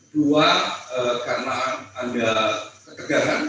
dua karena ada ketegangan